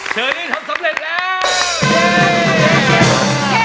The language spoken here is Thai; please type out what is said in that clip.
เชอรี่ทำสำเร็จแล้ว